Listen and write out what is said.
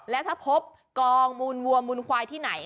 และถ้าพบกองมูลวัวมูลควายที่ไหน